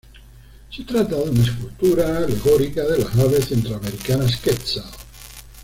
Se trata de una escultura alegórica de las aves centroamericanas Quetzal.